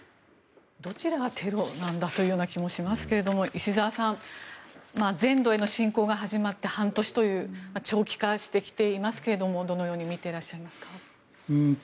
どちらがテロなんだという気もしますけど石澤さん、全土への侵攻が始まって半年という長期化してきていますがどのように見ていますか？